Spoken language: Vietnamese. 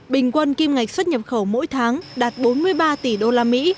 bình quân kim ngạch xuất nhập khẩu mỗi tháng đạt bốn mươi ba tỷ đô la mỹ